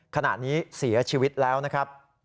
ขณะนี้เสียชีวิตแล้วนะครับ